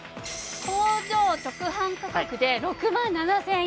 工場直販価格で６万７０００円。